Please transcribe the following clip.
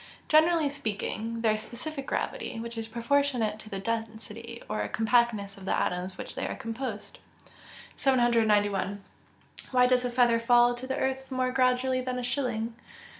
_ Generally speaking, their specific gravity, which is proportionate to the density, or compactness of the atoms of which they are composed. 791. _Why does a feather fall to the earth more gradually than a shilling?